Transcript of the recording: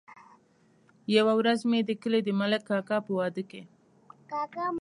يوه ورځ مې د کلي د ملک کاکا په واده کې.